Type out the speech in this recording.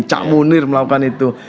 cak munir melakukan itu